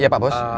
iya pak bos